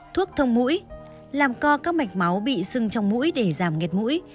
thuốc thông mũi làm co các mạch máu bị sừng trong mũi để giảm nghẹt mũi